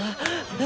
え？